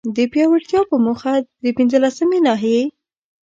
د پياوړتيا په موخه، د پنځلسمي ناحيي